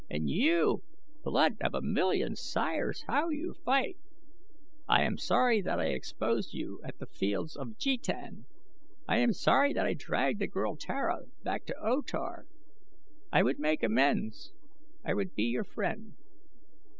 And you! Blood of a million sires! how you fight! I am sorry that I exposed you at The Fields of Jetan. I am sorry that I dragged the girl Tara back to O Tar. I would make amends. I would be your friend.